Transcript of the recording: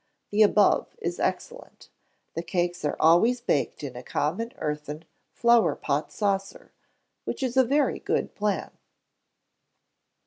The above is excellent. The cakes are always baked in a common earthen flower pot saucer, which is a very good plan.